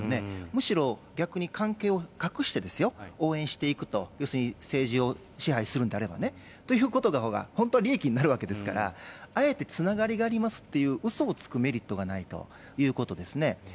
むしろ逆に関係を隠してですよ、応援していくと、要するに政治を支配するんであればね、ということのほうが、本当は利益になるわけですから、あえてつながりがありますっていううそをつくメリットがないということですね。